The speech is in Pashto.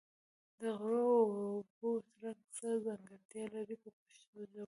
د غوړ او اوبو رنګ څه ځانګړتیاوې لري په پښتو ژبه.